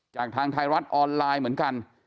จากทางไทยรัฐออนไลน์เหมือนกัน